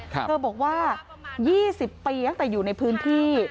เธอบอกว่า๒๐ปีตั้งแต่อยู่ในพื้นที่